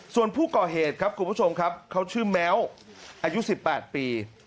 ส่วนผู้ก่อเหตุครับคุณผู้ชมครับเขาชื่อแม้วอายุ๑๘ปี